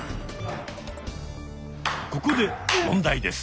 ここで問題です。